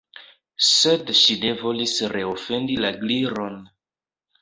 Sed ŝi ne volis reofendi la Gliron.